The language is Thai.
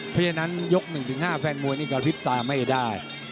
เพราะฉะนั้นยก๑๕แฟนมวยนี่กระพริบตาไม่ได้